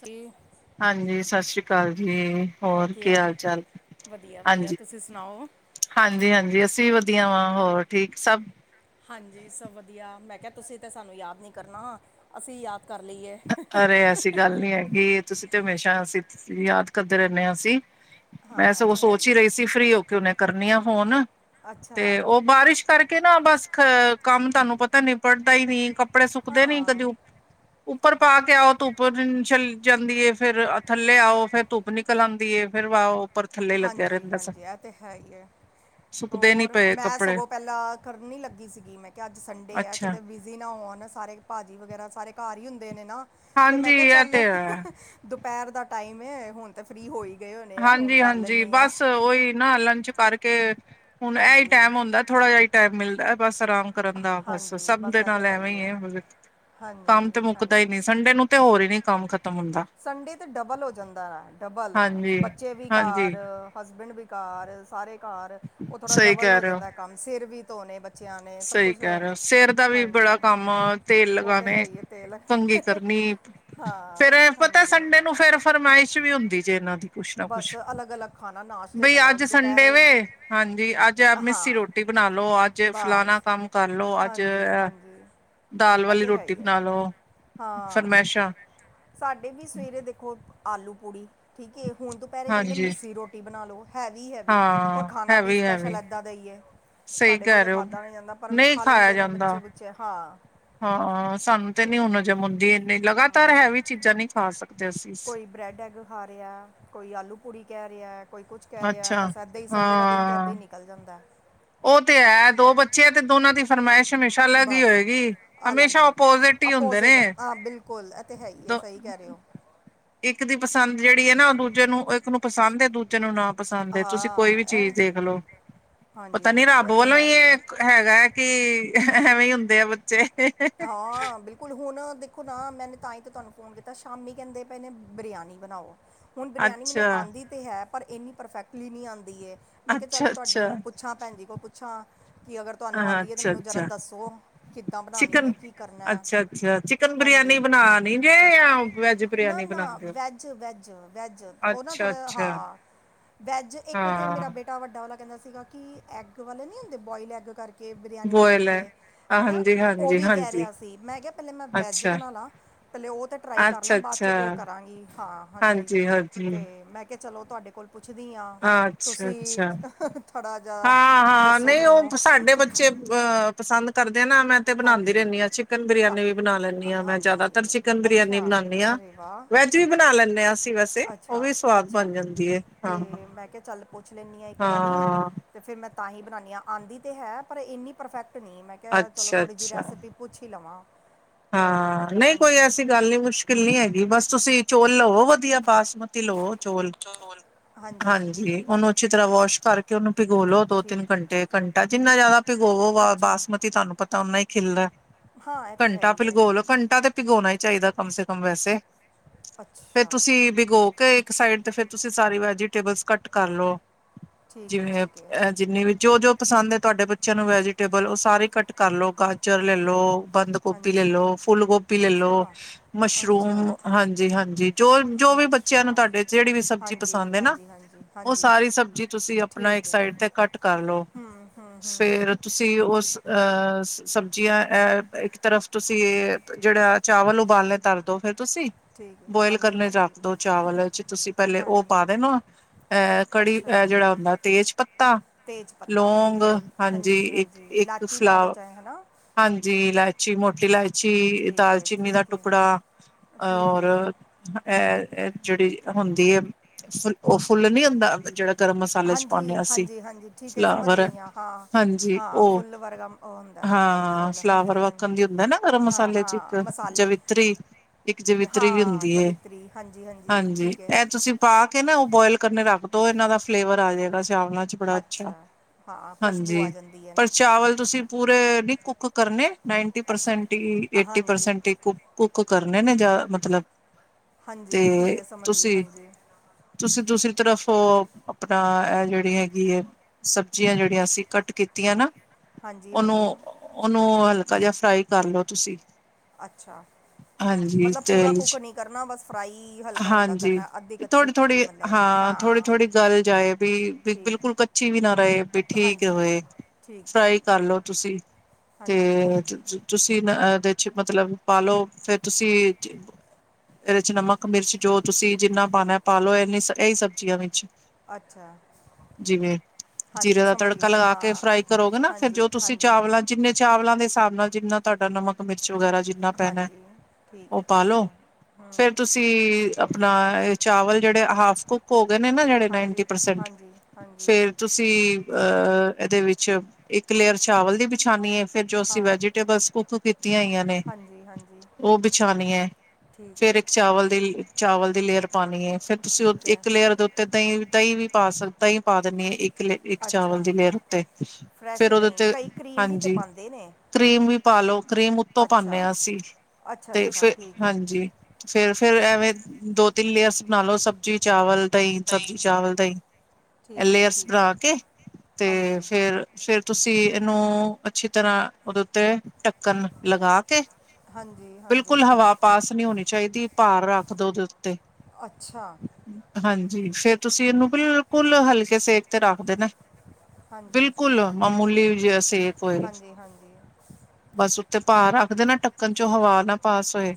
Free ਹਾਂਜੀ, ਸਤਿ ਸ਼੍ਰੀ ਅਕਾਲ ਜੀ, ਹੋਰ ਕੀ ਹਾਲ ਚਾਲ ਵਧੀਆ ਵਧੀਆ ਹਾਂਜੀ। ਤੁਸੀਂ ਸੁਣਾਓ ਹਾਂਜੀ, ਹਾਂਜੀ ਅਸੀਂ ਵੀ ਵਧੀਆ ਵਾਂ ਹੋਰ ਠੀਕ ਸਭ? ਹਾਂਜੀ ਸਭ ਵਧੀਆ ਮੈਂ ਕਿਹਾ ਤੁਸੀਂ ਤਾਂ ਸਾਨੂੰ ਯਾਦ ਨਹੀਂ ਕਰਨਾ। ਅਸੀਂ ਯਾਦ ਕਰ ਲਈਏ। ਅਰੇ ਐਸੀ ਗੱਲ ਨਹੀਂ ਹੈਗੀ ਤੁਸੀਂ ਤੇ ਹਮੇਸ਼ਾ ਅਸੀਂ ਯਾਦ ਕਰਦੇ ਰਹਿੰਦੇ ਹਾਂ। ਅਸੀਂ ਹਾਂ ਮੈ ਇਹ ਸਗੋਂ ਤਾਂ ਹੈ ਸੋਚ ਹੀ ਹੈ ਰਹੀ ਸੀ ਫਰੀ ਹੋ ਕੇ ਹੁਨੇ ਕਰਨੀ ਆ ਫੋਨ ਅੱਛਾ ਤੇ ਉਹ ਬਾਰਿਸ਼ ਕਰਕੇ ਨਾ ਬਸ ਅ ਕੰਮ ਤੁਹਾਨੂੰ ਪਤਾ ਨਿਬੜਦਾ ਹੀ ਨੀ ਕੱਪੜੇ ਸੁੱਕਦੇ ਨੀ ਹਾਂ ਕਦੇ ਉੱਪਰ ਪਾ ਕੇ ਆਓ ਧੁੱਪ ਚੱਲ ਜਾਂਦੀ ਏ ਫੇਰ ਥੱਲੇ ਆਓ ਫੇਰ ਧੁੱਪ ਨਿਕਲ ਆਂਦੀ ਏ ਫਿਰ ਪਾਓ। ਹਾਂਜੀ, ਹਾਂਜੀ ਇਹ ਤੇ ਹੈ ਹੀ ਹੈ। ਸੁੱਕਦੇ ਨੀ ਹੋਰ ਪਏ ਮੈਂ ਕੱਪੜੇ ਸਗੋਂ ਪਹਿਲਾਂ ਕਰਨ ਹੀ ਲੱਗੀ ਸੀਗੀ ਮੈਂ ਕਿਹਾ ਅੱਜ ਸੰਡੇ ਆ ਅੱਛਾ ਕਿਤੇ ਬੀਜੀ ਨਾ ਹੋਣ ਸਾਰੇ ਭਾਜੀ ਵਗੈਰਾ ਸਾਰੇ ਘਰ ਹੀ ਹੁੰਦੇ ਨੇ ਨਾ ਫੇਰ ਹਾਂਜੀ ਮੈਂ ਕਿਹਾ ਇਹ ਚੱਲ ਤੇ ਹੈ ਦੁਪਹਿਰ ਦਾ ਟਾਈਮ ਏ ਹੁਣ ਤਾਂ ਫਰੀ ਹੋ ਹੀ ਗਏ ਹੋਣੇ ਆ ਹੁਣ ਹਾਂਜੀ ਕਰ ਹਾਂਜੀ ਲੈਂਦੇ ਆ ਬਸ ਉਹੀ ਨਾ ਲੰਚ ਕਰਕੇ ਹੁਣ ਇਹੀ ਹਾਂਜੀ ਟਾਈਮ ਹੁੰਦਾ ਥੋੜ੍ਹਾ ਜਿਹਾ ਟੈਮ ਮਿਲਦਾ ਬਸ ਆਰਾਮ ਕਰਨ ਦਾ, ਬਸ ਹਾਂਜੀ ਸਭ ਦੇ ਇਹ ਤੇ ਨਾਲ ਹੈ ਐਵੇਂ ਹੀ ਹੈ ਹਾਂਜੀ ਕੰਮ ਤੇ ਮੁੱਕਦਾ ਹੀ ਹਾਂਜੀ ਨਹੀਂ, ਸੰਡੇ ਨੂੰ ਤੇ ਹੋਰ ਹੀ ਨਹੀਂ ਕੰਮ ਖਤਮ ਹੁੰਦਾ ਸੰਡੇ ਤਾਂ ਡਬਲ ਹੋ ਜਾਂਦਾ ਹੈ, ਡਬਲ, ਹਾਂਜੀ ਬੱਚੇ ਵੀ ਘਰ ਹਾਂਜੀ ਹਸਬੈਂਡ ਵੀ ਘਰ, ਸਾਰੇ ਘਰ, ਉਹ ਥੋੜਾ ਸਹੀ ਡਬਲ ਕਹਿ ਹੋ ਰਹੇ ਜਾਂਦਾ ਕੰਮ, ਸਿਰ ਵੀ ਧੋਣੇ ਬੇ ਬੱਚਿਆਂ ਨੇ, ਸਭ ਸਹੀ ਕੁਛ, ਕਹਿ ਰਹੇ ਹੋ ਸਿਰ ਦਾ ਵੀ ਬੜਾ ਹਾਂਜੀ ਕੰਮ ਤੇਲ ਉਹ ਤੇ ਹੈ ਲਗਾਣੇ ਹੀ ਹੈ, ਤੇਲ ਕੰਘੀ ਕਰਨੀ ਫੇਰ ਹਾਂ ਪਤਾ ਹਾਂਜੀ ਸੰਡੇ ਨੂੰ ਫਿਰ ਫਰਮਾਇਸ਼ ਵੀ ਹੁੰਦੀ ਜੇ ਇਹਨਾਂ ਦੀ ਕੁਛ ਨਾ ਬਸ ਕੁਛ ਅਲੱਗ-ਅਲੱਗ ਖਾਣਾ ਨਾਸ਼ਤੇ ਚ ਬਈ ਅਲੱਗ ਅੱਜ ਸੰਡੇ ਦੁਪਹਿਰੇ ਵੇ, ਹਾਂਜੀ ਅੱਜ ਹਾਂ ਮਿੱਸੀ ਰੋਟੀ ਬਣਾ ਲੋ, ਅੱਜ ਬਸ ਫਲਾਨਾ ਕੰਮ ਕਰਲੋ, ਅੱਜ ਹਾਂਜੀ ਏਹ ਹਾਂਜੀ ਦਾਲ ਇਹ ਵਾਲੀ ਤੇ ਹੈ ਰੋਟੀ ਹੀ ਹੈ ਬਣਾ ਲਓ, ਹਾਂ ਫਰਮੈਸ਼ਾ ਸਾਡੇ ਵੀ ਸਵੇਰੇ ਦੇਖੋ, ਆਲੂ- ਪੂੜੀ ਠੀਕ ਹੈ, ਹੁਣ ਦੁਪਹਿਰੇ ਕਹਿੰਦੇ ਹਾਂਜੀ ਮਿੱਸੀ ਰੋਟੀ ਬਣਾ ਲਉ, ਹੈਵੀ- ਹੈਵੀ, ਹੋਰ ਹਾਂ ਖਾਣਾ ਵੀ ਹੈਵੀ ਸਪੈਸ਼ਲ ਹੈਵੀ ਐ। ਖਾਦਾਂ ਦੇਈਏ, ਸਹੀ ਸਾਡੇ ਕੋਲ ਕਹਿ ਤਾਂ ਰਹੇ ਹੋ ਖਾਧਾ ਨ ਜਾਂਦਾ, ਪਰ ਨਹੀਂ ਖਾ ਖਾਇਆ ਲੈਂਦੇ ਨੇ ਬੱਚੇ ਜਾਂਦਾ ਬੁੱਚੇ ਹਾਂ ਹਾਂ ਸਾਨੂੰ ਤੇ ਨੀ ਹੁਣ ਹਜਮ ਹੁੰਦੀ, ਇੰਨੀ ਲਗਾਤਾਰ ਹੈਵੀ ਚੀਜ਼ਾਂ ਨਹੀਂ ਖਾ ਸਕ ਕੋਈ ਬ੍ਰੈਡ ਐਗ ਖਾ ਰਿਹਾ, ਕੋਈ ਆਲੂ ਪੂੜੀ ਕਹਿ ਰਿਹਾ, ਕੋਈ ਕੁਛ ਕਹਿ ਰਿਹਾ, ਅੱਛਾ ਬਸ ਇੱਦਾਂ ਹੀ ਸੰਡੇ ਦਾ ਦਿਨ ਤਾਂ ਇੱਦਾਂ ਹਾਂ ਹੀ ਨਿਕਲ ਜਾਂਦਾ ਉਹ ਤੇ ਹੈ, ਦੋ ਬੱਚੇ ਤੇ ਦੋਨਾਂ ਦੀ ਫਰਮਾਇਸ਼ ਹਮੇਸ਼ਾ ਲੱਗ ਹੀ ਬਸ ਹੋਏਗੀ, ਅਲੱਗ ਹਮੇਸ਼ਾ ਹੀ ਓਪੋਜਿਟ ਹੀ ਹੁੰਦੇ ਨੇ, ਆਪੋਜ਼ਿਟ ਹਾਂ ਬਿਲਕੁਲ ਇਹ ਤੇ ਹੈ ਹੀ ਹੈ ਦੋ ਸਹੀ ਕਹਿ ਰਹੇ ਹੋ ਇੱਕ ਦੀ ਪਸੰਦ ਜਿਹੜੀ ਹੈ ਨਾ, ਉਹ ਦੂਜੇ ਨੂੰ ਉਹ ਇੱਕ ਨੂੰ ਪਸੰਦ ਹੈ ਦੂਜੇ ਬੱਚੇ ਨੂੰ ਨਾ ਪਸੰਦ ਤੁਸੀਂ ਕੋਈ ਵੀ ਹਾਂ ਚੀਜ਼ ਇਹ ਦੇਖਲਓ, ਹਾਂਜੀ ਪਤਾ ਨੀ ਹਾਂਜੀ ਇਹ ਰੱਬ ਤੇ ਵੱਲੋਂ ਹੈ ਹੀ ਹੈ ਇਹ ਹੈਗਾ ਕਿ, ਐਵੇਂ ਹੀ ਹੁੰਦੇ ਆ ਬੱਚੇ ਹਾਂ, ਬਿਲਕੁਲ ਬਿਲਕੁਲ ਹੁਣ ਦੇਖੋ ਨਾ ਮੈਨੇ ਤਾਂ ਹੀ ਤਾਂ ਤੁਹਾਨੂੰ ਫੋਨ ਕੀਤਾ ਸ਼ਾਮੀ ਕਹਿੰਦੇ ਪਏ ਨੇ ਬਰਿਆਨੀ ਬਣਾਓ ਹੁਣ ਬਰਿਆਨੀ ਮੈਨੂੰ ਅੱਛਾ ਆਉਂਦੀ ਤਾਂ ਹੈ ਪਰ ਇੰਨੀ ਪਰਫੈਕਟਲੀ ਨਹੀਂ ਆਉਂਦੀ ਹੈ, ਮੈਂ ਕਿਹਾ ਚੱਲ ਅੱਛਾ ਤੁਹਾਨੂੰ ਅੱਛਾ ਪੁੱਛ ਪੁੱਛਾਂ ਭੈਣਜੀ ਕੋਲ ਪੁੱਛਾਂ, ਕਿ ਅਗਰ ਤੁਹਾਨੂੰ ਹਾਂ ਆਉਂਦੀ ਹੈ ਤਾਂ ਅੱਛਾ ਮੈਨੂੰ ਜ਼ਰਾ ਅੱਛਾ ਦੱਸੋ, ਕਿੱਦਾਂ ਬਣਾਉਣੀ ਚਿਕਨ ਹੈ ਕੀ ਕਰਨਾ ਹੈ ਅੱਛਾ ਅੱਛਾ ਚਿਕਨ ਹਾਂਜੀ ਬਰਿਆਨੀ ਬਣਾ ਨੀ ਗੇ ਜਾਂ, ਵੈਜ ਨਾ ਬਰਿਆਨੀ ਨਾ ਬਣਾਉਣੀ ਵੈਜ ਵੈਜ ਵੈਜ ਉਹ ਨਾ ਥੋੜਾ ਅੱਛਾ ਹਾਂ, ਵੈਜ ਇੱਕ ਤੇ ਮੇਰਾ ਹਾਂ ਬੇਟਾ-' ਟਾ ਵੱਡਾ ਵਾਲਾ ਕਹਿੰਦਾ ਸੀਗਾ ਕਿ ਐਗ ਵਾਲੇ ਨੀ ਹੁੰਦੇ, ਬੋਇਲ ਐਗ ਕਰਕੇ ਕਿ ਬਰਿਆਨੀ ਬੋਇਲ ਬਣਦੀ ਹੈ, ਹਨਾ, ਹਾਂਜੀ ਉਹ ਹਾਂਜੀ ਵੀ ਕਹਿ ਹਾਂਜੀ ਰਿਹਾ ਸੀ, ਮੈਂ ਕਿਹਾ ਪਹਿਲੇ ਮੈਂ ਵੈਜ ਅੱਛਾ ਬਣਾ ਲਾ ਪਹਿਲੇ ਉਹ ਤਾਂ ਟਰਾਈ ਕਰ ਲਾ, ਅੱਛਾ ਬਾਅਦ ਅੱਛਾ 'ਚੋਂ ਉਹ ਕਰਾਂਗੀ, ਹਾਂ ਹਾਂਜੀ, ਤੇ ਮੈਂ ਕਿਹਾ ਚਲੋ ਤੁਹਾਡੇ ਕੋਲ ਪੁੱਛਦੀ ਹਾਂ, ਅੱਛਾ ਤੁਸੀਂ, ਅੱਛਾ ਥੋੜ੍ਹਾ ਜਿਹਾ, ਹਾਂ ਹਾਂ ਦੱਸੋ ਨਹੀਂ ਮੈਨੂੰ ਉਹ ਸਾਡੇ ਬੱਚੇ ਅ ਪਸੰਦ ਕਰਦੇ ਨਾ, ਮੈਂ ਤੇ ਬਣਾਉਂਦੀ ਹਾਂਜੀ ਰਹਿੰਦੀ ਹਾਂ ਚਿਕਨ ਤਾਂ ਬਰਿਆਨੀ ਵੀ ਬਣਾ ਲੈਂਦੀ ਹਾਂ ਮੈਂ ਹਾਂਜੀ ਜ਼ਿਆਦਾਤਰ ਚਿਕਨ ਬਰਿਆਨੀ ਅੱਛਾ ਬਣਾਉਂਦੀ ਹਾਂ ਅਰੇ ਵਾਹ ਵੈਜ ਵੀ ਬਣਾ ਲੈਂਦੇ ਹਾਂ ਅਸੀਂ ਵੈਸੇ, ਉਹ ਅੱਛਾ ਵੀ ਸਵਾਦ ਬਣ ਜਾਂਦੀ ਹੈ, ਹਾਂ ਕੇ ਚੱਲ ਪੁੱਛ ਲੈਂਨੀ ਆਂ ਇੱਕ ਵਾਰੀ ਹਾਂ ਤੇ ਫਿਰ ਮੈਂ ਤਾਂ ਹੀ ਬਣਾਉਦੀ ਹਾਂ, ਆਉਂਦੀ ਤਾਂ ਹੈ, ਪਰ ਇੰਨੀ ਪਰਫੈਕਟ ਨਹੀਂ ਮੈਂ ਕਿਹਾ ਚਲੋ ਅੱਛਾ ਥੋੜ੍ਹੀ ਜਿਹੀ ਅੱਛਾ ਰੈਸਪੀ ਪੁੱਛ ਲਵਾਂ ਚਲੋ ਹਾਂ, ਨਹੀਂ ਕੋਈ ਹਾਂਜੀ ਐਸੀ ਗੱਲ ਨਹੀਂ ਮੁਸ਼ਕਿਲ ਨਹੀਂ ਹੈਗੀ ਬਸ ਤੁਸੀਂ ਚੋਲ ਲਵੋ ਵਧੀਆ ਬਾਸਮਤੀ ਤਿਲੋ ਚੋਲ, ਹਾਂਜੀ ਉਹਨੂੰ ਅੱਛੇ ਤਰ੍ਹਾਂ ਵਾਸ਼ ਕਰਕੇ ਉਹਨੂੰ ਭਿਗੋਲੋ, ਠੀਕ ਦੋ- ਤਿੰਨ ਠੀਕ ਘੰਟੇ, ਘੰਟਾ ਜਿੰਨਾ ਜ਼ਿਆਦਾ ਭਿਓਗੋ ਅੱਛਾ ਬਾਸਮਤੀ ਤੁਹਾਨੂੰ ਪਤਾ ਉਹਨਾ ਹੀ ਖਿੱਲਣਾ ਹਾਂ, ਇਹ ਤੇ ਹੈ ਘੰਟਾ ਹੀ ਹੈ ਭਿਗੋ ਲਓ, ਘੰਟਾ ਤੇ ਭਿਗੋਣਾ ਹੀ ਚਾਹੀਦਾ ਕਮ ਸੇ ਕਮ ਵੈਸੇ, ਫੇਰ ਅੱਛਾ ਤੁਸੀਂ ਭਿਗੋ ਕਿ ਇੱਕ ਸਾਈਡ ਤੇ ਫਿਰ ਤੁਸੀਂ ਸਾਰੀ ਵੈਜੀਟੇਬਲ ਕੱਟ ਕਰ ਲਓ, ਠੀਕ ਹੈ ਠੀਕ ਹੈ ਜਿਵੇਂ- ਜਿੰਨੀ ਵੀ ਜੋ-ਜੋ ਪਸੰਦ ਐ ਤੁਆਡੇ ਬੱਚਿਆਂ ਨੂੰ ਵੈਜੀਟੇਬਲ ਓ ਸਾਰੇ ਕੱਟ ਕਰ ਲੋ ਗਾਜਰ ਲੈ ਲੋ, ਬੰਦ ਗੋਭੀ ਹਾਂਜੀ ਲੈਲੋ, ਫੁੱਲ ਗੋਭੀ ਅੱਛਾ ਲੈਲੋ, ਅੱਛਾ ਮਸ਼ਰੂਮ ਹਾਂਜੀ-ਹਾਂਜੀ ਜੋ-ਜੋ ਵੀ ਬੱਚਿਆਂ ਨੂੰ ਅੱਛਾ ਤੁਆਡੇ ਜੇੜੀ ਵੀ ਸਬਜ਼ੀ ਹਾਂਜੀ ਪਸੰਦ ਐ ਨਾ, ਹਾਂਜੀ ਹਾਂਜੀ ਓ ਹਾਂਜੀ ਸਾਰੀ ਸਬਜ਼ੀ ਤੁਸੀਂ ਆਪਣਾ ਠੀਕ ਇੱਕ ਹੈ ਸਾਈਡ ਤੇ ਕੱਟ ਕਰਲੋ, ਫੇਰ ਤੁਸੀਂ ਸੀ ਓਸ ਅਹ ਸਬਜ਼ੀਆਂ ਐ ਤਰਫ ਤੁਸੀਂ ਏਹ ਜੇੜਾ ਚਾਵਲ ਉਬਾਲਨੇ ਤਰਦੋ ਫੇਰ ਤੁਸੀਂ। ਠੀਕ ਹੈ ਬੋਇਲ ਹਾਂਜੀ ਕਰਨੇ ਹਾਂਜੀ ਰੱਖਦੋ ਚਾਵਲ ਚ ਤੁਸੀਂ ਪਹਿਲੇ ਓ ਹਾਂਜੀ ਪਾ ਦੇਨਾ ਐ ਕੜੀ ਅੱਛਾ ਐ ਜੇੜਾ ਹੁੰਦਾ ਤੇਜ ਪੱਤਾ ਤੇਜ ਪੱਤਾ ਲੌਗ ਠੀਕ ਹੈ ਹਾਂਜੀ ਹਾਂਜੀ ਇੱਕ-ਇੱਕ ਲਾਚੀ ਪਾ ਦਿਓ ਫਲਾਵ ਚਾਹੇ ਹੈ ਨਾ ਹਾਂਜੀ ਇਲਾ ਇਚੀ ਮੋਟੀ ਲਾਇਚੀ ਠੀਕ ਹੈ ਦਾਲਚੀਨੀ ਦਾ ਠੀਕ ਹੈ ਟੁਕੜਾ ਠੀਕ ਔਰ ਹੈ ਐਹ ਜੇੜੀ ਹੁੰਦੀ ਐ ਫੁ ਉਹ ਫੁੱਲ ਨੀ ਹੁੰਦਾ ਜੇੜਾ ਗਰਮ ਮਸਾਲੇ ਚ ਪਾਂਨੇ ਹਾਂਜੀ ਆਂ ਅਸੀਂ ਹਾਂਜੀ ਹਾਂਜੀ ਠੀਕ ਹੈ ਸਮਝ ਫਲਾਵਰ, ਗਈ ਹਾਂ ਹਾਂ ਹਾਂਜੀ ਹਾਂ ਓ ਫੁੱਲ ਵਰਗਾ ਉਹ ਹੁੰਦਾ ਬਨਿਆ ਦਾ ਹਾਂ ਫੁੱਲ ਫਲਾਵਰ ਹਾਂਜੀ ਵਕਣ ਹਾਂਜੀ ਦੀ ਹੁੰਦਾ ਨਾ ਗਰਮ ਹਾਂ ਮਸਾਲੇ ਚ ਇੱਕ ਹਾਂ ਮਸਾਲੇ ਜਵਿੱਤਰੀ ਇੱਕ ਜਵਿੱਤਰੀ ਵੀ ਹਾਂ ਹੁੰਦੀ ਏ, ਜਵਿਤਰੀ ਹਾਂਜੀ ਹਾਂਜੀ ਠੀਕ ਹੈ ਐ ਤੁਸੀਂ ਪਾ ਕੇ ਨਾ ਓ ਬੋਇਲ ਕਰਨੇ ਰੱਖਦੋ ਏਨਾਂ ਦਾ ਫਲੇਵਰ ਆ ਜੇਗਾ ਚਾਵਲਾਂ ਬੜਾ ਅੱਛਾ, ਹਾਂ ਖੁਸ਼ਬੂ ਆ ਹਾਂਜੀ ਜਾਂਦੀ ਹੈ ਪਰ ਨਾ ਚਾਵਲ ਤੁਸੀਂ ਪੂਰੇ ਨੀ ਕੁੱਕ ਕਰਨੇ। ਨਾਈਂਟੀ ਅੱਛਾ ਪਰਸੈਂਟ ਈ ਏਟੀ ਹਾਂਜੀ ਪਰਸੈਂਟ ਈ ਕੁ ਕੁੱਕ ਕਰਨੇ ਨੇ ਜਾਂ ਮਤਲਬ ਹਾਂਜੀ ਤੇ ਠੀਕ ਐ ਸਮਝ ਗਈ ਤੁਸੀਂ ਹਾਂਜੀ। ਤੁਸੀਂ ਦੂਸਰੀ ਤਰਫ ਓਹ ਅਪਣਾ ਐ ਜੇੜੀ ਹੈਗੀ ਏ ਸਬਜ਼ੀਆਂ ਜੇੜੀਆਂ ਅਸੀਂ ਕੱਟ ਕੀਤੀਆਂ ਨਾ ਹਾਂਜੀ ਹਾਂਜੀ ਓਨੂੰ-ਓਨੂੰ ਹਲਕਾ ਜਾ ਫਰਾਈ ਕਰ ਲੋ ਤੁਸੀਂ। ਅੱਛਾ। ਹਾਂਜੀ ਮਤਲਬ ਪੂਰਾ ਤੇਲ ਕੁੱਕ ਚ ਨੀ ਕਰਨਾ ਬਸ ਫਰਾਈ ਹਲਕਾ-ਹਲਕਾ ਕਰਨੈ, ਅੱਦੀ ਕੱਚੀ ਪੱਕੀ ਥੋੜੀ ਮਤਲਬ ਹਾਂ ਥੋੜੀ-ਥੋੜੀ ਗਲ ਜਾਏ ਬੀ ਬਿਲ ਠੀਕ ਬਿਲਕੁਲ ਕੱਚੀ ਵੀ ਨਾ ਰਏ ਵੀ ਹ- ਠੀਕ ਹਾਂਜੀ ਹੋਏ। ਠੀਕ ਫਰਾਈ ਠੀਕ ਕਰਲੋ ਤੁਸੀਂ। ਹਾਂਜੀ। ਤੇ ਠੀਕ ਔਤ ਹੈ ਤੁਸੀਂ ਨ ਏਦੇ ਚ ਮਤਲਬ ਪਾਲੋ ਫਿਰ ਤੁਸੀਂ ਏਦੇ ਚ ਨਮਕ ਮਿਰਚ ਜੋ ਤੁਸੀਂ ਜਿੰਨਾ ਪਾਣੈ ਪਾਲੋ ਏਨੀ ਸ ਏਹੀ ਸਬਜ਼ੀਆਂ ਵਿੱਚ‌। ਅੱਛਾ। ਜੀਰੇ ਹਾਂਜੀ ਦਾ ਸਮਝ ਤੜਕਾ ਗਈ ਲਗਾ ਹਾਂ ਕੇ ਫਰਾਈ ਕਰੋਗੇ ਨਾ ਫੇਰ ਹਾਂਜੀ ਜੋ ਤੁਸੀਂ ਹਾਂਜੀ ਚਾਵਲਾਂ ਜਿੰਨੇ ਚਾਵਲਾਂ ਦੇ ਸਾਬ ਨਾਲ ਜਿੰਨਾ ਤੁਆਡਾ ਨਮਕ ਮਿਰਚ ਵਗੈਰਾ ਜਿ ਨਾ ਪੈਣੈ, ਹਾਂਜੀ ਠੀਕ ਔ ਹੈ ਠੀਕ ਪਾਲੋ ਹੈ ਫੇਰ ਤੁਸ ਸੀ ਅਪਣਾ ਏ ਚਾਵਲ ਜੇੜੇ ਹਾਫ ਕੁਕ ਹੋਗੇ ਨੇ ਨਾ ਜੇੜੇ ਨਾਈਂਟੀ ਹਾਂਜੀ ਪਰਸੈਂਟ ਹਾਂਜੀ ਹਾਂਜੀ ਫੇਰ ਤੁਸੀਂ ਅਹ ਐਦੇ ਵਿੱਚ ਇੱਕ ਲੇਅਰ ਚਾਵਲ ਦੀ ਬਿਛਾਣੀ ਏ ਫਿਰ ਜੋ ਅਸੀਂ ਹਾਂ ਵੈਜੀਟੇਬਲਸ ਕੁੱਕ ਕੀਤੀਆਂ ਹੋਈਆਂ ਨੇ ਹਾਂਜੀ ਹਾਂਜੀ ਓਹ ਬਿਛਾਣੀ ਐ, ਠੀਕ ਫੇਰ ਇੱਕ ਹੈ ਚਾਵਲ ਦੀ ਚਾਵਲ ਦੀ ਲੇਅਰ ਪਾਨੀ ਏ ਫਿਰ ਤੁਸੀਂ ਔ ਠੀਕ ਹੈ ਇੱਕ ਲੇਅਰ ਦੇ ਉੱਤੇ ਦਈਂ-ਦਈਂ ਵੀ ਪਾ ਸਕ ਦਈਂ ਪਾ ਦੇਣੀ ਏ ਇੱਕ ਕਲੇ ਇੱਕ ਚਾਵਲ ਅੱਛਾ ਦੀ ਲੇਅਰ ਉੱਤੇ, ਫੇਰ ਓਦੇ ਉੱਤੇ ਹਾਂਜੀ ਦੇ ਨੇ ਕਰੀਮ ਵੀ ਪਾਲੋ, ਕਰੀਮ ਉੱਤੋਂ ਪਾਨੇ ਅੱਛਾ ਆਂ ਅਸੀਂ। ਅੱਛਾ ਤੇ ਅੱਛਾ ਫੇਰ ਠੀਕ ਹੈ ਹਾਂਜੀ ਫੇਰ-ਫੇਰ ਐਵੇਂ ਦੋ ਤਿੰਨ ਲੇਅਰਸ ਬਣਾ ਲੋ ਸਬਜ਼ੀ ਚਾਵਲ ਦਈਂ ਦਹੀਂ ਸਬਜ਼ੀ ਚ ਚਾਵਲ ਦਈਂ, ਐ ਠੀਕ ਹੈ ਲੇਅਰਸ ਠੀਕ ਬਣਾ ਹੈ ਕੇ ਤੇ ਹਾਂਜੀ ਫੇਰ ਫੇਰ ਤੁਸੀਂ ਏਨੂੰ ਅੱਛੀ ਤਰ੍ਹਾਂ ਓਦੇ ਉੱਤੇ ਢੱਕਣ ਲਗਾ ਕੇ ਹਾਂਜੀ ਹਾਂਜੀ ਬਿਲਕੁਲ ਹਵਾ ਪਾਸ ਨੀ ਹੋਨੀ ਚਾਹੀਦੀ, ਭਾਰ ਰੱਖ ਦੋ ਓਦੇ ਉੱਤੇ। ਅੱਛਾ ਹਾਂਜੀ, ਫੇਰ ਤੁਸੀਂ ਇਹਨੂੰ ਬਿਲਕੁੱਲ ਹਲਕੇ ਸੇਕ ਤੇ ਰੱਖ ਦੇਣਾ। ਹਾਂਜੀ ਬਿਲਕੁਲ, ਮਾਮੂਲੀ ਜਿਆ ਸੇਕ ਹੋਏ। ਤੇ, ਹਾਂਜੀ। ਬਸ ਉਤੇ ਭਾਰ ਰੱਖ ਦੇਣੈ, ਢੱਕਣ'ਚੋਂ ਹਵਾ ਨਾ ਪਾਸ ਹੋਏ,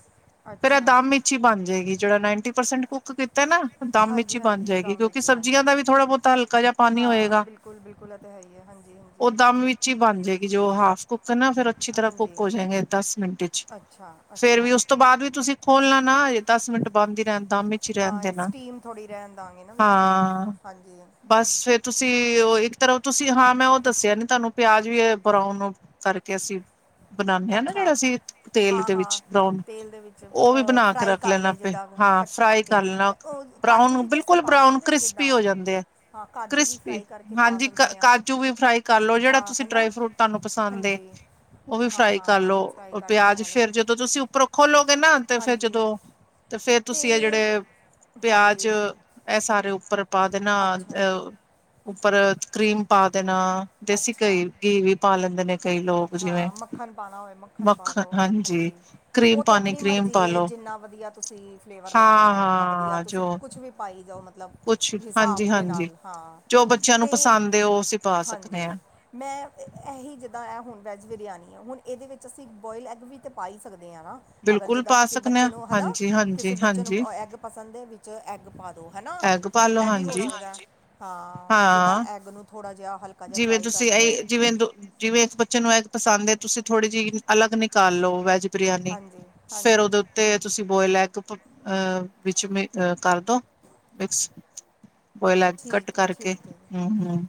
ਫੇਰ ਐ ਫੇਰ ਏ ਅੱਛਾ ਦੱਮ ਈ ਛੀ ਬਣਜੇਗੀ, ਜੇੜਾ ਨਾੰਈਟੀ ਪਰਸੇਂਟ ਕੁੱਕ ਦਿੱਤੈ ਨਾ ਦੱਮ ਇਚ ਈ ਹਾਂਜੀ ਹਾਂਜੀ ਬਣਜੇਗੀ, ਕਿਉਂਕਿ ਦਾਮਬੇਚੀ ਮੰਦਿਰ ਸਬਜ਼ੀਆਂ ਦਾ ਦੇ ਵੀ ਥੋੜ੍ਹਾ-ਬੋਤਾ ਹਲਕਾ ਜਾ ਪਾਣੀ ਹਾਂ ਹੋਏਗਾ। ਬਿਲਕੁਲ ਬਿਲਕੁਲ ਇਹ ਤਾਂ ਹੈ ਹੀ ਹੈ ਹਾਂਜੀ ਹਾਂਜੀ ਓ ਦੱਮ ਵਿੱਚ ਹੀ ਬਣਜੇਗੀ, ਜੇ ਔ ਹਾਫ ਕੁੱਕ ਨਾ, ਫੇਰ ਅੱਛੀ ਤਰ੍ਹਾਂ ਕੁੱਕ ਹਾਂਜੀ ਹੋਜਾਂਇਗੇ ਦਸ ਮਿੰਟ ਇਚ, ਅੱਛਾ ਫੇਰ ਵੀ ਅੱਛਾ ਓਸ ਤੋਂ ਬਾਦ ਵੀ ਤੁਸੀ ਖੋਲਣਾ ਨਾ ਹਜੇ ਦੱਸ ਮਿੰਟ ਬੰਦ ਹੀ ਰੈਣ, ਦੱਮ ਇਚੀ ਰੈਣ ਹਾਂ ਦੇਨਾ, ਸਟੀਮ ਥੋੜ੍ਹੀ ਰਹਿਣ ਦਾਂਗੇ ਨਾ ਵਿੱਚ ਹੀ ਹਾਂ। ਹਾਂਜੀ ਬਸ ਫੇਰ ਤੁਸੀਂ, ਓ ਇੱਕ ਤਰਫ ਤੁਸੀਂ ਹਾਂ ''ਮੈਂ ਓਹ ਦੱਸਿਆ ਨੀ ਤਾਨੂੰ ਪਿਆਜ ਵੀ ਬਰਾਉਨ ਕਰਕੇ ਅਸੀਂ ਬਨਾਂਨੇ ਆ ਨਾ ਜੇੜਾ ਅੱਛਾ ਅਸੀਂ ਤੇਲ ਹਾਂ ਦੇ ਹਾਂ ਵਿੱਚ ਬਰਾਊਨ, ਤੇਲ ਦੇ ਵਿੱਚ ਓਹ ਵੀ ਬਣਾਕੇ ਫਰਾਈ ਰੱਖ ਕਰ ਲੈਣਾ ਲਏ ਆਪੇ, ਜਿੱਦਾਂ ਹਾਂ। ਕੱਚੇ ਫਰਾਈ ਪੱਕੇ ਕਰ ਲੈਨਾ, ਕ- ਉਹ ਕਾਜੂ ਬ੍ਰਾਊਨ, ਵੀ ਤਾਂ ਅਸੀਂ ਬਿਲਕੁਲ ਪਾ ਬ੍ਰਾਉਨ ਸਕਦੇ ਹਾਂ ਜਿੱਦਾਂ ਕ੍ਰਿਸਪੀ ਹੋ ਜਾਂਦੇ ਐ। ਹਾਂ ਕਾਜੂ ਵੀ ਕ੍ਰਿਸਪੀ, ਫਰਾਈ ਕਰਕੇ ਪਾ ਹਾਂਜੀ ਸਕਦੇ ਹਾਂ ਕਾਜੂ ਵੀ ਫ੍ਰਾਈ ਕਰਲੋ, ਜੇੜਾ ਹਾਂ ਤੁਸੀਂ ਹੈ ਡਰਾਈ ਨਾ ਫਰੂਟ ਤ੍ਹਾਨੂੰ ਪਸੰਦ ਏ, ਹਾਂਜੀ ਓਹ ਵੀ ਹਾਂ ਫ੍ਰਾਈ ਹਾਂ ਕਰਲੋ ਹਾਂ ਫਰਾਈ ਕਰਕੇ ਪਿਆਜ, ਪਾ ਲਓ ਫੇਰ ਜਦੋਂ ਤੁਸੀਂ ਉੱਪਰੋ ਖੋਲੋ ਤੇ ਨਾ, ਤੇ ਫੇਰ ਹਾਂਜੀ ਜਦੋਂ, ਤੇ ਫੇਰ ਤੁਸੀਂ ਐ ਅਤੇ ਜੇੜੇ ਪਿਆਜ ਹਾਂਜੀ ਐ ਸਾਰੇ ਉੱਪਰ ਪਾ ਦੇਣਾ, ਅੱਛਾ ਅ ਉੱਪਰ ਕ੍ਰੀਮ ਪਾ ਦੇਣਾ। ਦੇਸੀ ਅੱਛਾ ਘਈ, ਘੀ ਵੀ ਪਾ ਲੈਂਦੇ ਨੇ। ਕਈ ਲੋਕ ਜਿਵੇਂ ਹਾਂ ਮੱਖਣ ਪਾਣਾ ਹੋਵੇ, ਮੱਖਣ ਪਾਦੋ, ਹਾਂਜੀ, ਕਰੀਮ ਓ ਤੇ ਪਾਣੀ ਅਪਣੀ ਕਰੀਮ ਮਰਜੀ ਏ ਪਾਲੋ ਜਿੰਨਾ ਵਧੀਆ ਤੁਸੀਂ ਫਲੇਵਰ ਲੈਣਾ, ਓਹਨਾ ਵਧੀਆ ਹਾਂ-ਹਾਂ ਤੁਸੀਂ ਜੋ ਕੁਛ ਵੀ ਪਾਈ ਜਾਓ, ਮਤਲਬ ਕੁਛ ਮਤਲਬ ਹਿਸਾਬ ਦੇ ਹਾਂਜੀ-ਹਾਂਜੀ ਨਾਲ, ਹਾਂ, ਜੋ ਬੱਚਿਆਂ ਨੂੰ ਤੇ ਪਸੰਦ ਏ ਉਹ ਅਸੀਂ ਪਾ ਸਕਦੇ ਹਾਂਜੀ। ਹਾਂ। ''ਮੈਂ ਐਹੀ ਜਿੱਦਾਂ, ਐ ਹੁਣ ਵੈੱਜ ਬਿਰਿਆਨੀ ਹੈ, ਹੁਣ ਇਹਦੇ ਵਿੱਚ ਅਸੀਂ ਬੋਇਲ ਐੱਗ ਵੀ ਤਾਂ ਪਾ ਹੀ ਸਕਦੇ ਆਂ, ਨਾ। ਅਗਰ ਬਿਲਕੁਲ ਜਿੱਦਾਂ ਪਾ ਕਿਸੇ ਸਕਦੇ ਬੱਚੇ ਹਾਂ ਨੂੰ ਹਨਾ, ਕਿਸੇ ਬੱਚੇ ਨੂੰ ਹਾਂਜੀ-ਹਾਂਜੀ-ਹਾਂਜੀ ਐਗ ਪਸੰਦ ਏ, ਵਿੱਚ ਐਗ ਪਾ ਦੋ ਹਨਾ, ਐਗ ਪਾਲੋ ਐ ਵੀ ਹੋ ਹਾਂਜੀ ਸਕਦਾ ਹਾਂ, ਜਿੱਦਾਂ ਐਗ ਨੂੰ ਥੋੜਾ ਜਿਹਾ ਹਲਕਾ ਜਿਹਾ ਜਿਵੇਂ ਫਰਾਈ ਤੁਸੀਂ ਕਰਕੇ ਇਹ, ਜਿਵੇਂ ਦ ਜਿਵੇਂ ਇੱਕ ਬੱਚੇ ਨੂੰ ਏਗ ਪਸੰਦ ਏ, ਤੁਸੀਂ ਥੋੜੀ ਜਿਹੀ ਅਲੱਗ ਨਿਕਾਲ ਲੋ ਵੈਜ ਬਿਰਿਆਨੀ, ਹਾਂਜੀ ਫੇਰ ਹਾਂਜੀ ਉਹਦੇ ਤੇ ਤੁਸੀਂ ਬੋਇਲ ਐੱਗ, ਅ ਵਿੱਚ ਮ ਕਰਦੋ ਮਿਕਸ ਬੋਇਲ ਐਗ ਕੱਟ ਠੀਕ ਹੈ ਕਰਕੇ, ਠੀਕ ਹੈ ਹੂੰ, ਹੂੰ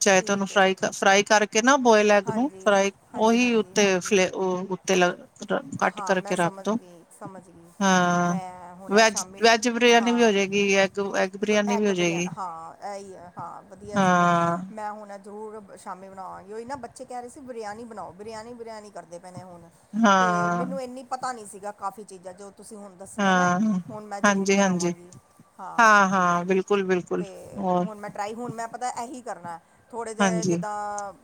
ਚਾਹੇ ਤੁ ਉਹਨੂੰ ਠੀਕ ਹੈ ਫ੍ਰਾਈ, ਫ੍ਰਾਈ ਕਰ ਕੇ ਨਾ ਬੋਇਲ ਐਗ ਨੂੰ, ਹਾਂਜੀ ਫਰਾਈ ਹਾਂਜੀ ਓਹੀ ਹਾਂਜੀ ਉੱਤੇ ਹਾਂਜੀ ਫਲੇ ਉੱਤੇ ਕੱਟ ਹਾਂ, ਮੈਂ ਕਰਕੇ ਰੱਖ ਦੋ ਸਮਝਗੀ, ਸਮਝਗੀ ਹਾਂ ''ਮੈਂ ਹੁਣ ਆ ਵੈਜ ਸ਼ਾਮੀ ਵੈਜ ਬਰਿਆਨੀ ਵੀ ਹਾਂ, ਹੋ ਜਾਏਗੀ ਐਗ ਐਗ ਬਰਿਆਨੀ ਵੀ ਐਗ ਹੋ ਬਿਰਿਆ ਜਾਏਗੀ ਹਾਂ, ਐਈ ਐ, ਹਾਂ ਵਧੀਆ ਸਗੋਂ ਹਾਂ ''ਮੈਂ ਹੁਣ ਜ਼ਰੂਰ ਸ਼ਾਮੀ ਬਣਾਵਾਂਗੀ, ਓਈ ਨਾ ਬੱਚੇ ਕਹਿ ਰਹੇ ਸੀ ਬਰਿਆਨੀ ਬਨਾਓ, ਬਿਰਿਆਨੀ-ਬਿਰਿਆਨੀ ਕਰਦੇ ਪਏ ਨੇ ਹੁਣ। ਤੇ, ਹਾਂ ਮੈਨੂੰ ਇੰਨੀ ਪਤਾ ਨਹੀਂ ਸੀਗਾ ਕਾਫੀ ਚੀਜ਼ਾਂ, ਜੋ ਤੁਸੀਂ ਹੁਣ ਦੱਸੀਆਂ ਨਾ, ਹਾਂ ਹੁਣ ਮੈਂ ਜ਼ਰੂਰ ਹਾਂਜੀ ਹਾਂਜੀ ਬਣਾਵਾਂਗੀ, ਹਾਂ, ਹਾਂ ਬਿਲਕੁਲ ਬਿਲਕੁਲ ਤੇ ਹੋਰ ਹੁਣ ਮੈਂ ਟਰਾਈ ਹੁਣ ਮੈਂ ਪਤਾ ਐਹੀ ਕਰਨਾ, ਥੋੜ੍ਹੇ ਜਿਹੇ ਹਾਂਜੀ ਜਿੱਦਾਂ,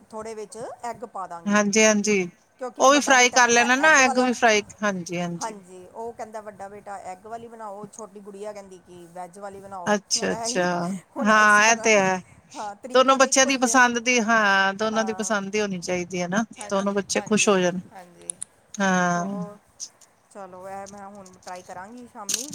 ਥੋੜ੍ਹੇ ਵਿੱਚ ਐੱਗ ਪਾਦਾਂਗੀ, ਹਾਂਜੀ ਹਾਂਜੀ ਕਿਉਂਕਿ ਉਹ ਵੀ ਵੱਡਾ ਫਰਾਈ ਬੇਟਾ ਕਰ ਕਹਿੰਦਾ ਲੈਣਾ ਨਾ ਐਗ ਵਾਲਾ? ਵੀ ਫਰਾਈ ਹਾਂਜੀ ਹਾਂਜੀ, ਓ ਕਹਿੰਦਾ ਵੱਡਾ ਬੇਟਾ ਐੱਗ ਵਾਲੀ ਬਣਾਓ, ਛੋਟੀ ਗੁੜੀਆ ਕਹਿੰਦੀ ਕਿ ਵੈਜ ਜ ਵਾਲੀ ਬਣਾਓ, ਹੁਣ ਅੱਛਾ ਅੱਛਾ ਐਹੀ, ਹੁਣ ਇਸ ਹਾਂ ਇਹ ਤੇ ਹੈ ਹਾਂ ਦੋਨੋ ਤਰੀਕਾ ਤਾਂ ਬੱਚਿਆਂ ਇੱਕੋ ਦੀ ਈ ਐ। ਪਸੰਦ ਦੀ ਹਾਂ ਦੋਨੋ ਦੀ ਹਾਂ, ਪਸੰਦ ਦੀ ਹੋਣੀ ਚਾਹੀਦੀ ਹੈ ਨਾ ਦੋਨੋ ਬੱਚੇ ਖੁਸ਼ ਹੋ ਜਾਣ ਹਾਂਜੀ-ਹਾਂਜੀ-ਹਾਂਜੀ। ਹਾਂ ਹੋਰ, ਤ ਚਲੋ, ਐ 'ਮੈਂ ਹੁਣ ਟਰਾਈ ਕਰਾਂਗੀ ਸ਼ਾਮੀ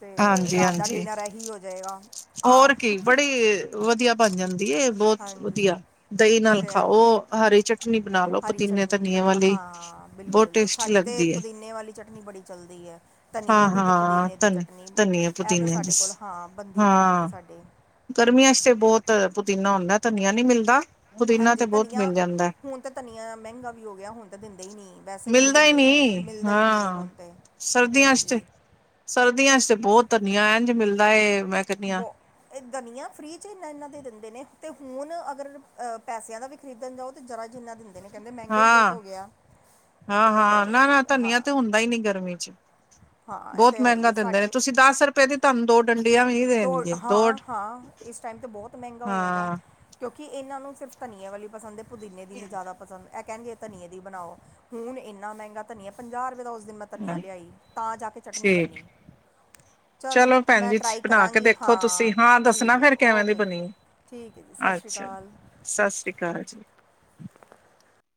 ਤੇ, ਹਾਂਜੀ ਰਾਤ ਦਾ ਹਾਂਜੀ ਡਿਨਰ ਐਹੀ ਹੋ ਜਾਏਗਾ। ਆ ਹੋਰ ਕੀ, ਬੜੀ ਵਧੀਆ ਬਣ ਜਾਂਦੀ ਏ ਬਹੁਤ ਹਾਂਜੀ ਵਧੀਆ, ਦਹੀਂ ਉਹ ਨਾਲ ਤੇ ਹੈ ਹੀ ਖਾਓ, ਆ ਹਰੀ ਚਟਨੀ ਬਣਾ ਲਓ, ਹਰੀ ਪੁਤੀਨੇ ਚਟਨੀ ਧਨੀਏ ਮਤਲਬ ਵਾਲੀ ਹਾਂ ਬਹੁਤ ਬਿਲਕੁਲ ਟੇਸਟੀ, ਸਾਡੇ ਤੇ ਲੱਗਦੀ ਹੈ। ਪੁਦੀਨੇ ਵਾਲੀ ਚਟਨੀ, ਬੜੀ ਚੱਲਦੀ ਐ ਧਨੀਏ, ਹਾਂ ਦੀ ਤੇ ਹਾਂ ਪੁਦੀਨੇ ਦੀ ਧਨ ਚਟਨੀ, ਧਨੀਏ ਇਹ ਤਾਂ ਪੁਦੀਨੇ ਦੀ ਸਾਡੇ ਕੋਲ ਹਾਂ ਬਣਦੀ ਰਹਿੰਦੀ ਹੈ ਹਾਂ ਸਾਡੇ ਗਰਮੀਆਂ ਵਿਚ', ਬਹੁਤ ਪੁਦੀਨਾ ਹੁੰਦਾ, ਧਨੀਆ ਨਹੀਂਮਿਲਦਾ ਹਾਂਜੀ, ਧਨੀਆ ਹੁਣ ਤਾਂ ਧਨੀਆ ਮਹਿੰਗਾ ਵੀ ਹੋ ਗਿਆ, ਹੁਣ ਤਾਂ ਦਿੰਦੇ ਹੀ ਨਹੀਂ ਵੈਸੇ ਵੀ ਨਈ, ਮਿਲਦਾ ਹੀ ਦਿੰਦੇ ਪਏ ਨਹੀਂ ਮਿਲਦਾ ਹੀ ਨਈ, ਹੈ ਹਾਂ ਹੁਣ ਤੇ ਸਰਦੀਆਂ ਚ ਤੇ, ਹਾਂਜੀ ਸਰਦੀਆਂ ਚ ਤੇ ਬਹੁਤ ਧਨੀਆ, ਇੰਝ ਮਿਲਦਾ ਏ ਮੈਂ ਕਹਿੰਦੀ ਹਾਂ ਬਹੁ ਇਹ ਧਨੀਆਂ ਫ੍ਰੀ 'ਚ, ਇਨਾ ਇਹਨਾਂ ਦੇ ਦਿੰਦੇ ਨੇ, ਤੇ ਹੁਣ ਅਗਰ ਪੈਸਿਆਂ ਦਾ ਖਰੀਦਣ ਜਾਓ, ਅਤੇ ਜ਼ਰਾ ਜਿੰਨਾ ਦਿੰਦੇ ਨੇ, ਕਹਿੰਦੇ, ਮਹਿੰਗਾ ਹੀ ਬਹੁਤ ਹਾਂ ਹੋ ਗਿਆ ਹਾਂ ਅਤੇ ਹਾਂ ਨਾ ਨਾ ਹਾਂ ਧਨੀਆ ਤੇ ਹੁੰਦਾ ਨਈ, ਗਰਮੀ ਚ ਹਾਂ ਇਹ ਬਹੁਤ ਤੇ ਹੈ ਮਹਿੰਗਾ ਏ ਦਿੰਦੇ ਨੇ ਸਾਡੇ ਤੁਸੀਂ ਦਸ ਰੁਪਏ ਦੀ ਤੁਹਾਨੂੰ ਦੋ ਡੰਡੀਆਂ ਵੀ ਨੀ ਤੋਂੜ ਦੇਣਗੇ ਦੋ ਹਾਂ ਹਾਂ ਇਸ ਟਾਈਮ, ਤੇ ਬਹੁਤ ਮਹਿੰਗਾ ਹੋਇਆ ਦਾ ਹਾਂ ਕਿਉਂਕਿ, ਇਹਨਾਂ ਨੂੰ ਸਿਰਫ਼ ਧਨੀਏ ਵਾਲੀ ਪਸੰਦ, ਪੁਦੀਨੇ ਦੀ ਨਹੀ, ਜ਼ਿਆਦਾ ਪਸੰਦ ਕਹਿਣਗੇ ਧਨੀਏ ਦੀ ਬਣਾਓ, ਹੁਣ ਇੰਨਾ ਮਹਿੰਗਾ ਧਨੀਆ ਪੰਜਾਹ ਰੁਪਏ ਦਾ, ਉਸ ਦਿਨ ਮੈਂ ਹਾਂ, ਧਨੀਆ ਲਿਆਈ ਤਾਂ, ਜਾ ਕੇ ਚਟਨੀ ਬੰਨੀ ਠੀਕ ਚਲੋ, ਭੈਣ ਮੈਂ ਜੀ ਟਰਾਈ ਬਣਾ ਕੇ ਕਰਾਂਗੀ, ਦੇਖੋ ਤੁਸੀਂ ਹਾਂ ਦੱਸਣਾ ਠੀਕ ਹੈ ਫੇਰ ਕਿਵੇਂ ਦੀ ਓਕੇ ਜੀ਼। ਬਣੀ ਠੀਕ ਹੈ, ਜੀ ਸਤਿ ਸ਼੍ਰੀ ਅੱਛਾ ਅਕਾਲ। ਸਤਿ ਸ਼੍ਰੀ ਅਕਾਲ ਜੀ।